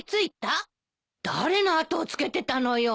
誰の後をつけてたのよ。